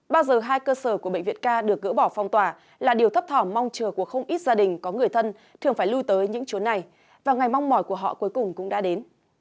bao giờ hai cơ sở của bệnh viện k được gỡ bỏ phong tỏa là điều thấp thỏm mong chờ của không ít gia đình có người thân thường phải lưu tới những chú này và ngày mong mỏi của họ cuối cùng cũng đã đến